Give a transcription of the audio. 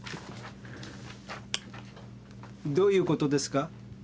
どういうことですか？